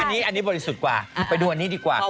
อันนี้บริสุทธิ์กว่าไปดูอันนี้ดีกว่า